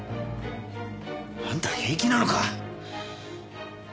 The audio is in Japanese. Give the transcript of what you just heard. あんた平気なのか？